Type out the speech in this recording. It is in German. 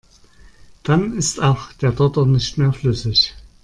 Dann ist auch der Dotter nicht mehr flüssig.